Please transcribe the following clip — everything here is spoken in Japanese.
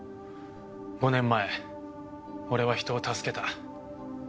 ５年前俺は人を助けた。